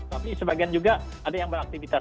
tapi sebagian juga ada yang beraktivitas